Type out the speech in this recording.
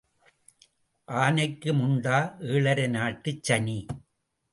ஆனைக்கும் உண்டா ஏழரை நாட்டுச் சனி?